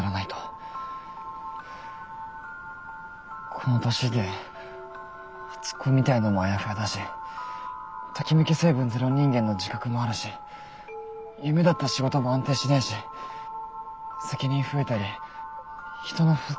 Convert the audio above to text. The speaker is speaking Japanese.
この年で初恋みたいのもあやふやだしトキメキ成分ゼロ人間の自覚もあるし夢だった仕事も安定しないし責任増えたり人の負担になるのも嫌だし。